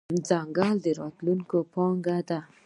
ځنګل د راتلونکې پانګه ده.